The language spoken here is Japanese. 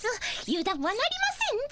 油だんはなりませんぞ。